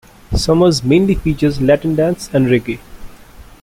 Summers mainly features Latin dance and reggae.